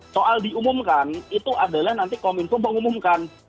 soal diumumkan itu adalah nanti kominfo mengumumkan